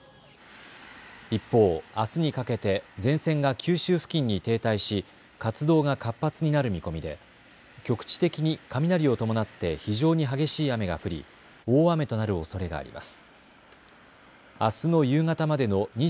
一方、あすにかけて前線が九州付近に停滞し活動が活発になる見込みで局地的に雷を伴って非常に激しい雨が降り大雨となるおそれがあります。